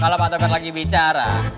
kalau pak tom lagi bicara